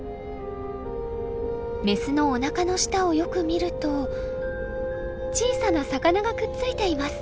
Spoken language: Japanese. メスのおなかの下をよく見ると小さな魚がくっついています。